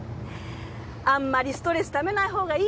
あんまりストレスためない方がいいわよ。